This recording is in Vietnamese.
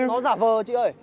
nó giả vờ chị ơi